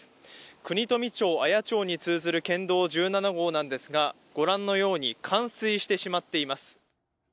国富町・綾町に通ずる県道１７号なんですがご覧のように冠水してしまっています